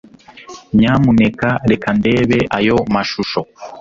Nyamuneka reka ndebe ayo mashusho